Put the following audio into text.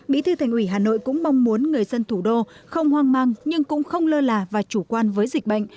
bí thư thành ủy hà nội cũng mong muốn người dân thủ đô không hoang mang nhưng cũng không lơ là và chủ quan với dịch bệnh